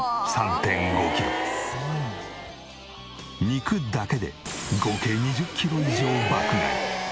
肉だけで合計２０キロ以上爆買い！